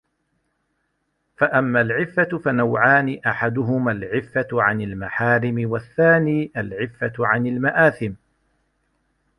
فَأَمَّا الْعِفَّةُ فَنَوْعَانِ أَحَدُهُمَا الْعِفَّةُ عَنْ الْمَحَارِمِ وَالثَّانِي الْعِفَّةُ عَنْ الْمَآثِمِ